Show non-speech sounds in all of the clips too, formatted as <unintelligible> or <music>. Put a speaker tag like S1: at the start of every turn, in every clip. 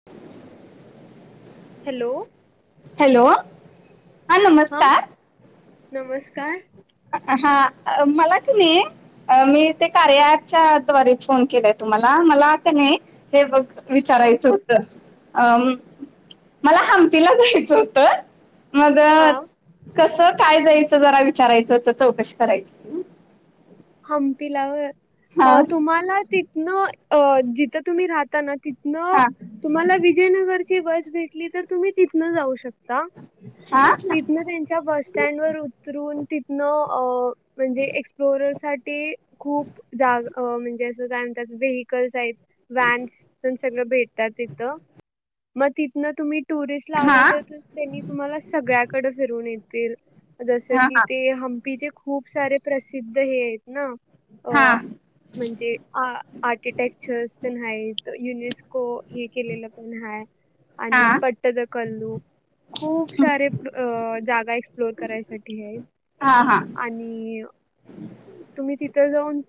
S1: <unintelligible>
S2: Hello!
S1: Hello हा
S2: हा
S1: नमस्कार!
S2: नमस्कार
S1: हा मला की नाही मी ते कार्यालतच्या द्वारे फोन केलाय तुम्हाला मला का नाही हे बघ
S2: हा
S1: विचारायचं होत अ मला हमपीला जायचं होतं. मग
S2: हा
S1: कस काय जायचं जरा विचारायचं तर चौकशी करायची.
S2: हंपीलावर
S1: हा
S2: तुम्हाला तिथनं जिथं तुम्ही राहता ना तीत न
S1: हा
S2: तुम्हाला विजयनगरची बस भेटली तर तुम्ही तिथनं जाऊ शक
S1: हा
S2: तिथनं त्यांच्या बस स्टँड वर उतरून तिथनं अ म्हणजे एक्सप्लोरर साठी खूप जाग म्हणजे असं काय म्हणतात वेहिकल्स आहेत. व्हॅन्स पण सगळं भेटतात तिथ मग तिथनं तुम्ही. टुरिस्ट
S1: हा
S2: लावला तर त्यांनी तुम्हाला सगळ्याकडे फिरून येतील. जसं
S1: हा
S2: की ते हं्पीचे खूप सारे प्रसिद्ध हे आहेत ना.
S1: हा.
S2: अ म्हणजे आ आर्किटेक्चर्स पण ह्याइत युनेस्को. हे केलेलं पण हा
S1: हा
S2: आणि पट्टद कल्लू. खूप सारे जागा एक्सप्लोर करायसाठी आहेत
S1: हा हा.
S2: आणि. तुम्ही तिथं जाऊन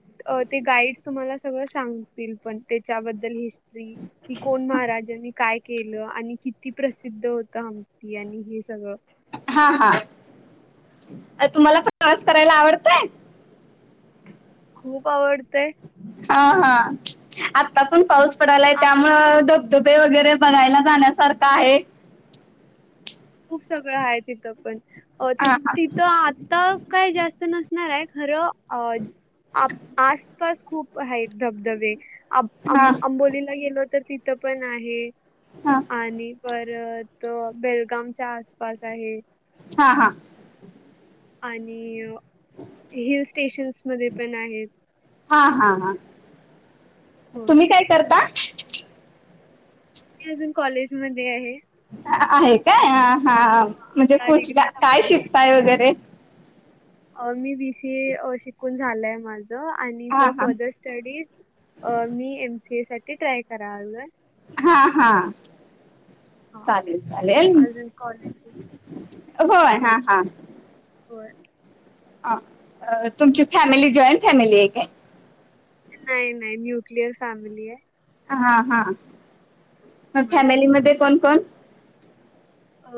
S2: ते गाईड्स तुम्हाला सगळं सांगतील पण त्याच्याबद्दल हिस की कोण महाराजांनी काय केलं आणि किती प्रसिद्ध होत हमती आणि हे सगळं.
S1: हा हा तुम्हाला पण प्रवास करायला आवडतय.
S2: खूप आवडतय.
S1: हा हा आता पण पाऊस पडालाय
S2: आ
S1: त्यामूळ धाब डुबे वगैरे बघायला जाण्यासारखा आहे.
S2: खूप सगळं आहे तिथं पण अ ति
S1: हा
S2: तिथं तर काय जास्त नसणार आहे खरं अ आसपास खूप. आहेत धबधबे आब
S1: हा हा
S2: अंबोलीला गेलो तर तिथं पण आहे.
S1: हा.
S2: आणि परत बेलगामच्या आसपास आहे.
S1: हा हा.
S2: आणि हिल स्टेशन्स मध्ये पण आहेत.
S1: हा हा हा
S2: होय
S1: तुम्ही काय करता.
S2: मी अजून कॉलेज मध्ये आहे.
S1: आहे काय हा
S2: अ,
S1: म्हणजे
S2: आता
S1: कुठला
S2: डिग्री
S1: काय
S2: संपल्यावर
S1: शिकताय वगैरे.
S2: मी बीसी ए शिकून झालंय माझं आणि
S1: हा
S2: फॉर
S1: हा
S2: फर्दर स्टडीज मी एमसी ए साठी ट्राय कराल.
S1: हा हा
S2: हा
S1: चालेल चालेल.
S2: अजून कॉलेज
S1: होय हा हा.
S2: होय.
S1: आ तुमची फॅमिली जॉईंट फॅमिली आहे काय.
S2: नाही नाही न्युक्लियर फॅमिली आहे.
S1: हा हा. मग
S2: होय
S1: फॅमिलीमध्ये कोण कोण.
S2: अ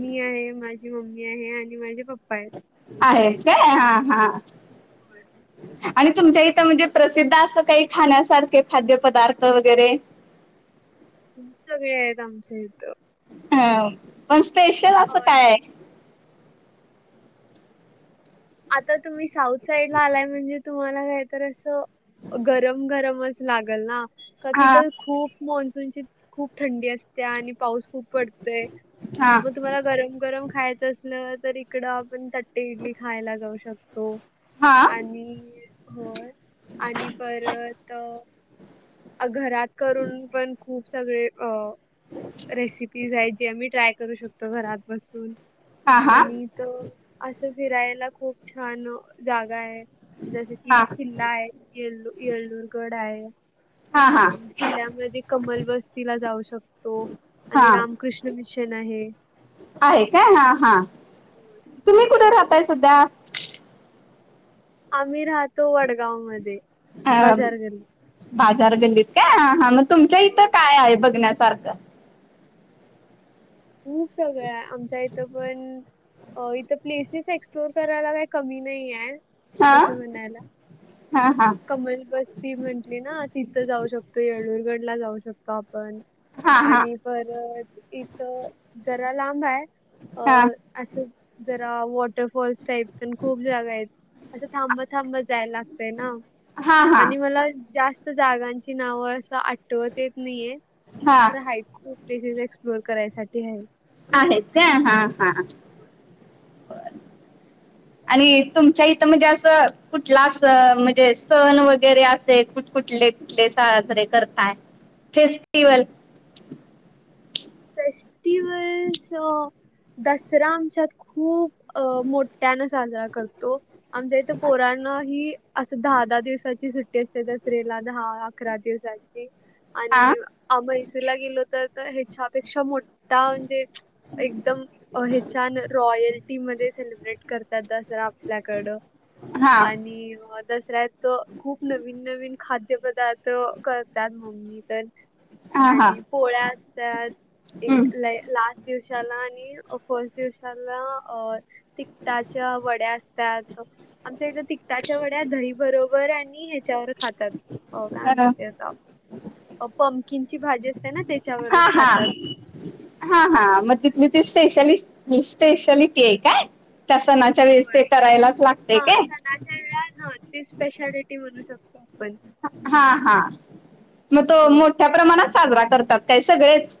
S2: मी आहे माझी मम्मी आहे आणि माझे पप्पा आहे.
S1: आहेस काय, हा हा.
S2: हो
S1: आणि तुमच्या इथं म्हणजे प्रसिद्ध असं काही खाण्यासारखे खाद्यपदार्थ वगैरे.
S2: सगळे आहेत आमचा इथं.
S1: हा पण स्पेशल
S2: अ,
S1: असं काय.
S2: आता तुम्ही साऊथ साईड ला आलाय म्हणजे तुम्हाला काहीत असं गरम गरम अस लागल ना
S1: हा
S2: तर खूप मान्सून खूप थंडी असते आणि पाऊस खूप पडतय
S1: हा
S2: मग तुम्हाला गरम गरम खायचं असलं तर इकडं आपण त्या ते इडली खायला जाऊ शकतो.
S1: हा
S2: आणि, होय. आणि परत, घरात करून पण खूप सगळे, अ.. रेसिपीज आहेत जे मी ट्राय. करू शकतो घरात बसून,
S1: हा हा
S2: आणि तो असं. फिरायला खूप छान जागा आहे, जसं की
S1: हा
S2: किल्ला आहे. येल्लू येल्लूरगड आहे.
S1: हा हा
S2: आणि किल्ल्यामध्ये, कमल बस्तीला जाऊ शकतो.
S1: हा
S2: आणि रामकृष्ण मिशन आहे.
S1: आहे काय, हा हा.. तुम्ही कुठे राहताय संध्या.
S2: आम्ही राहतो वडगाव मध्ये.
S1: अं... बाजार गल्लीत काय, हा... मग तुमच्या इथं काय आहे बघण्यासारखं.
S2: खूप सगळ्या, आमच्या इथं पण. हो इथं प्लेसेस एक्सप्लोर करायला, काय कमी नाही ये.
S1: हा
S2: तसं म्हणायला,
S1: हा हा
S2: कमल बस. ती म्हंटली ना तिथं जाऊ शकतो. येल्लूरगडला जाऊ शकतो आपण
S1: हा हा
S2: आणि, परत इथं, जरा लांब आहे.
S1: हा
S2: अं.. असं, जरा वॉटरफॉल्स टाईप. पण खूप जागा आहेत, असं थांबत थांबत जायला लागतंय ना.
S1: हा हा
S2: आणि मला जास्त. जागांची नावं असं आठवत येत नाहीये,
S1: हा
S2: खरं आहे खूप. प्लेसेस एक्सप्लोअर करायसाठी आहे.
S1: आहेत काय, हां हां. बर आणि तुमच्या इथं म्हणजे असं कुठला अस म्हणजे सण वगैरे असे कु कुठले कुठले साजरे करताय, फेस्टिवल.
S2: फेस्टिवल्स दसरा आमच्यात खूप अ... मोठ्यानं साजरा करतो. आमच्या इथं पोराण ही, असं दहा दहा दिवसाची सुट्टी असते दसरेला दहा अ अकरा दिवसाची
S1: हा
S2: आणि म्हैसूरला गेलो तर ह्याच्यापेक्षा मोठ कां म्हणजे एकदम. अ हे छान रॉयल्टी मध्ये सेलिब्रेट करत्यात. दसरा आपल्याकडं,
S1: हा
S2: आणि दसऱ्यात. तर खूप नवीन नवीन खाद्य पदार्थ करतात, मम्मी तेण.
S1: हा हा
S2: आणि पोळ्या असतात, ते
S1: हम्म.
S2: ह लाई लास्ट दिवसाला आणि, फर्स्ट दिवसाला अं.. तिकटाच्या वड्या असतात आमच्या इथ तिक त्यांच्या वड्या दही बरोबर आणि, हेच्याबरोबर खातात काय म्हतात
S1: अ,
S2: ते आता. पंमकीनची भाजी असते ना, त्यांच्या बरोबर.
S1: हां हां. मग तिथली ती, स्पेशालि स्पेशलिटी आहे काय? ते सणाच्या वेळेस ते, करायलाच लागते काय.
S2: ना च्या वेळा धोती स्पेशालिटी म्हणू शकतो. आपण.
S1: हा हा. मग तो
S2: होय
S1: मोठ्या प्रमाणात साजरा करतात काय सगळेच.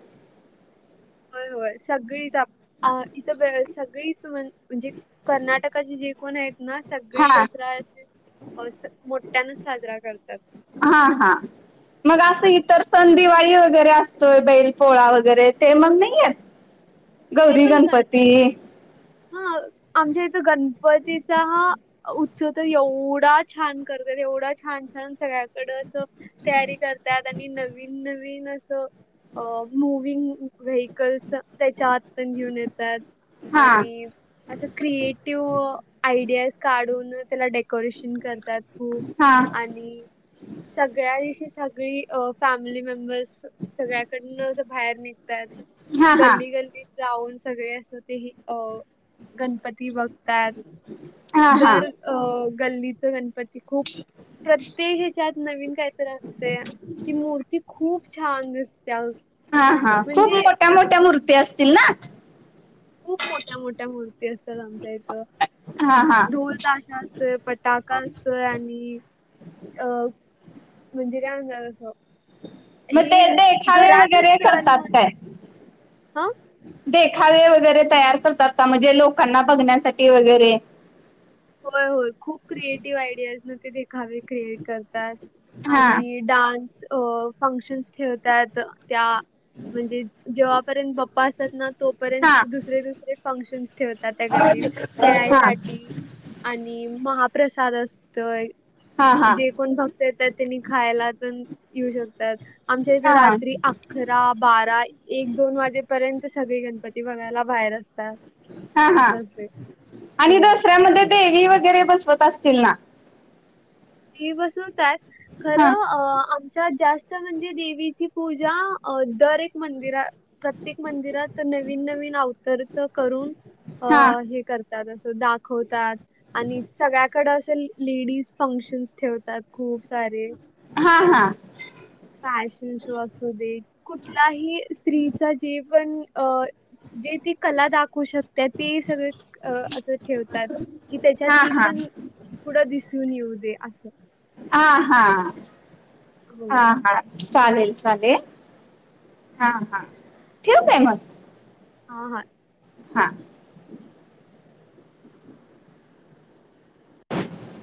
S2: होय होय सगळीच आप अ इथं सगळीच म्हणजे कर्नाटकाचे, जे कोणी आहेत ना. सगळी
S1: हा
S2: दसरा असे मोठ्यानच साजरा करतात.
S1: हा हा. हां. मग असं इथं. संधीवायू वगैरे असतोय, बैल पोळा वगैरे ते मग नाहीये.
S2: ते पण खातात.
S1: <inaudible>
S2: हा आमच्या इथं गणपतीचा उत्सव तर एवढा छान करत्यात, एवढा छान छान सगळ्या. तिकडं असं कॅरी करत्यात आणि नवीन नवीन असं. अ मुविंग व्हेकलंस त्याच्यात न घेऊन येतात
S1: हा
S2: आणि असं क्रिएटिव्ह आयडियाज काढून त्याला डेकोरेशन करतात. खूप
S1: हा
S2: आणि सगळ्या दिवशी सगळी अ फॅमिली मेंबर्स सगळ्याकडनं असं बाहेर निघत्यात
S1: हा हा
S2: गल्ली गल्लीत जाऊन सगळे अस ते अ गणपती बघ
S1: हा हा
S2: दर अ गल्लीच गणपत खूप प्रत्येक ह्यच्यात नवीन काहीतरी असते ती मूर्ती खूप छान दिसते
S1: हा, हा खूप मोठ्या, मोठ्या मूर्ती असतील ना
S2: खूप मोठ्या, मोठ्या मूर्ती असतात आमच्या इथ
S1: हा हा
S2: ढोल ताशा असतोय पटाका असतोय आणि अ म्हणजे काय आणार असं.
S1: मग
S2: हे
S1: ते देखावे
S2: घरातच
S1: वगैरे
S2: सण
S1: करतात
S2: म्हणून
S1: काय?
S2: हा
S1: देखावे वगैरे तयार करतात का म्हणजे लोकांना बघण्यासाठी वगैरे
S2: होय होय, खूप क्रिएटिव्ह आयडियाज ना ते देखावे क्रिएट करतात.
S1: हा
S2: आणि डान्स अ फंक्शन्स ठेवत्यात त्या. म्हणजे जेव्हापर्यंत बाप्पा असतात ना
S1: हा
S2: तोपर्यंत दुसरे, दुसरे फंक्शन्स ठेवतात त्या गल्लीत
S1: हा हा
S2: खेळायसाठी आणि महाप्रसाद असतो
S1: हा हा
S2: जे कोण भक त्यांनी खायला पण येऊ शकतात आमच्या इथे
S1: हा
S2: रात्री अक अकरा, बारा एक, दोन वाजेपर्यंत सगळे गणपती बघायला बाहेर असतात
S1: हा हा
S2: असं असते.
S1: आणि
S2: होय.
S1: दसऱ्यामध्ये देवी वगैरे बसवत असतील ना.
S2: देवी बसवतात
S1: हा
S2: खरं आमच्यात जास्त तर म्हणजे देवीची पूजा दर एक मंदिरात. प्रत्येक मंदिरात नवीन नवीन अवतारच करून अ
S1: हा
S2: हे कर त्यात असं दाखवतात आणि सगळ्या कडे असं लेडीज फंक्श फम्शान ठेवतात खूप सारे.
S1: हा, हा
S2: फॅशन शो असू दे कुठलाही स्त्रीचा जे पण अ जे ती कला दाखवू शकत, ते सगळे असं ठेवतात. कि त्याच्यात
S1: हा
S2: ती पण पुढं दिसून येऊ दे असं.
S1: आ हा,
S2: हो.
S1: आ हा. चालेल, चालेल हा, हा ठेऊ काय मग
S2: हा हा.
S1: हा